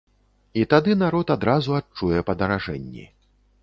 І тады народ адразу адчуе падаражэнні.